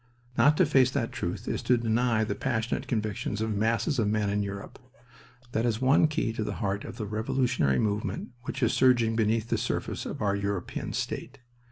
Not to face that truth is to deny the passionate convictions of masses of men in Europe. That is one key to the heart of the revolutionary movement which is surging beneath the surface of our European state.